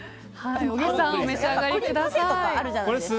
小木さんお召し上がりください。